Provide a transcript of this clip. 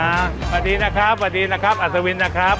สวัสดีนะครับสวัสดีนะครับอัศวินนะครับ